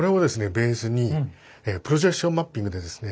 ベースにプロジェクションマッピングでですね